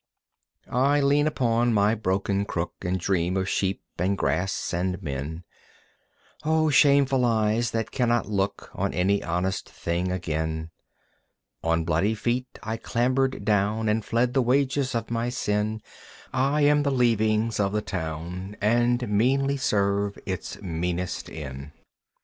I lean upon my broken crook And dream of sheep and grass and men O shameful eyes that cannot look On any honest thing again! On bloody feet I clambered down And fled the wages of my sin, I am the leavings of the town, And meanly serve its meanest inn.